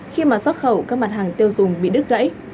khi mà xuất khẩu các mặt hàng tiêu dùng bị đứt gãy